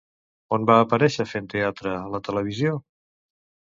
On va aparèixer fent teatre a la televisió?